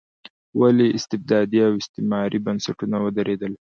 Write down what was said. ولې استبدادي او استثماري بنسټونه ودرېدل.